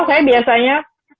atau saya biasanya